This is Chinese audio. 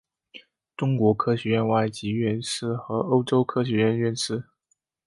中国科学院外籍院士和欧洲科学院院士。